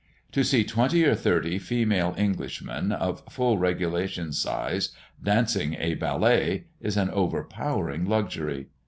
To see twenty or thirty female Englishmen of full regulation size dancing a ballet, is an overpowering luxury.